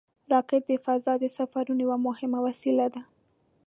راکټ د فضا د سفرونو یوه مهمه وسیله ده